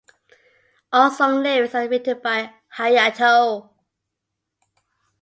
All song lyrics are written by Hayato.